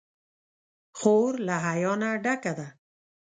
خور له حیا نه ډکه ده.